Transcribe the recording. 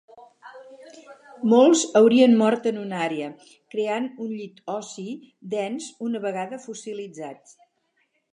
Molts haurien mort en una àrea, creant un llit ossi dens una vegada fossilitzat.